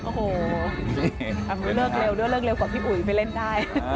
โอ้โหเลิกเร็วด้วยเลิกเร็วกว่าพี่อุ๋ยไปเล่นได้